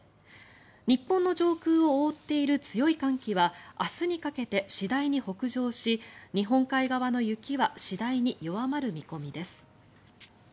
日本の上空を覆っている強い寒気は明日にかけて次第に北上し日本海側の雪は次第に弱まる見込みです。